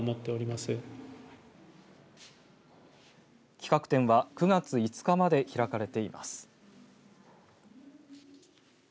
企画展は９月５日まで開かれています。